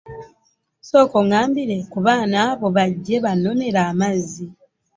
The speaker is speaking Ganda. Sooka oŋŋambire ku baana abo bajje bannonere amazzi.